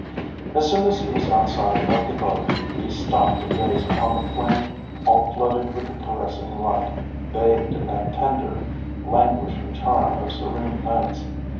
As soon as he was outside of the garden, he stopped to gaze upon the plain all flooded with the caressing light, bathed in that tender, languishing charm of serene nights.